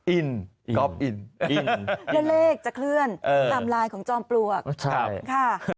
อินกรอบอินเลขจะเคลื่อนทำลายของจอมปลวก